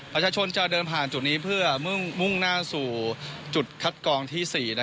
ประชาชนจะเดินผ่านจุดนี้เพื่อมุ่งหน้าสู่จุดคัดกรองที่๔